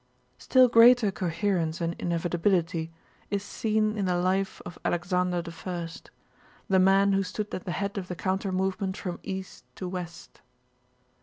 Still greater coherence and inevitability is seen in the life of Alexander I, the man who stood at the head of the countermovement from east to west.